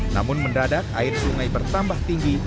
namun mendadak air sungai bertambah tinggi